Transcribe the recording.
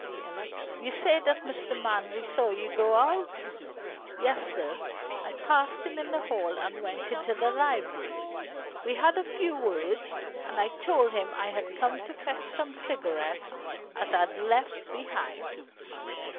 "You say that Mr. Manley saw you go out?" "Yes, sir. I passed him in the hall and went into the library. We had a few words, and I told him I had come to fetch some cigarettes as I'd left behind."